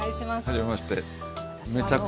はじめまして。